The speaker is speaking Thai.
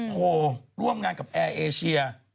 โพลร่วมงานกับแอร์เอเชีย